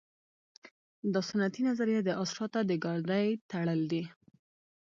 دا سنتي نظریه د اس شاته د ګاډۍ تړل دي